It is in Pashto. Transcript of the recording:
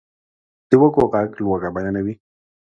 د وږو ږغ لوږه بیانوي.